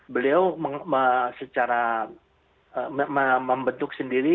beliau secara membentuk sendiri